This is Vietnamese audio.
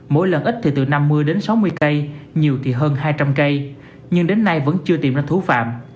mỗi lần ít thì từ năm mươi đến sáu mươi cây nhiều thì hơn hai trăm linh cây nhưng đến nay vẫn chưa tìm ra thủ phạm